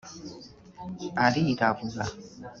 arirabura…